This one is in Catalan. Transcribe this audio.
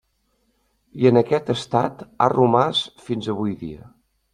I en aquest estat a romàs fins avui dia.